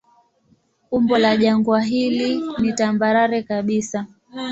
Umbo la jangwa hili ni tambarare kabisa.